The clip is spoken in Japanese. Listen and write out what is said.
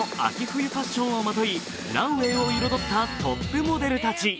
冬ファッションをまといランウェイを彩ったトップモデルたち。